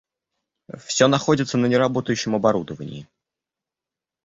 Все находится на неработающем оборудовании